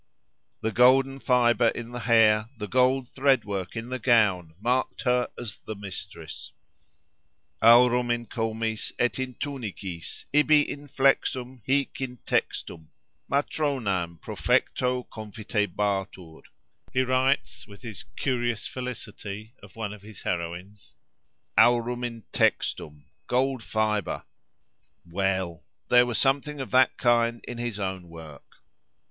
"The golden fibre in the hair, the gold thread work in the gown marked her as the mistress"—aurum in comis et in tunicis, ibi inflexum hic intextum, matronam profecto confitebatur—he writes, with his "curious felicity," of one of his heroines. Aurum intextum: gold fibre:—well! there was something of that kind in his own work.